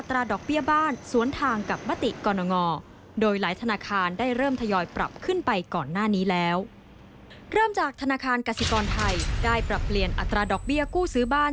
เริ่มจากธนาคารกสิกรไทยได้ปรับเปลี่ยนอัตราดอกเบี้ยกู้ซื้อบ้าน